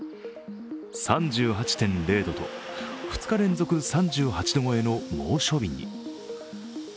３８．０度と、２日連続３８度超えの猛暑日に。